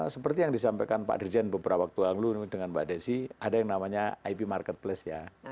seperti yang disampaikan pak dirjen beberapa waktu lalu dengan mbak desi ada yang namanya ip marketplace ya